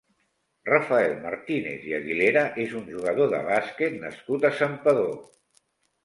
Rafael Martínez i Aguilera és un jugador de bàsquet nascut a Santpedor.